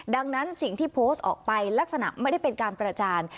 ดังนั้นสิ่งที่โพสต์ออกไปลักษณะไม่ได้เป็นการประจาน